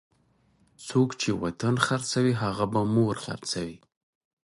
څوک چې وطن خرڅوي هغه به مور خرڅوي.